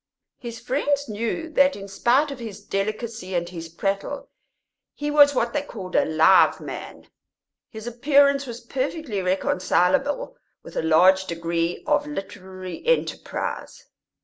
His friends knew that in spite of his delicacy and his prattle he was what they called a live man; his appearance was perfectly reconcilable with a large degree of literary enterprise.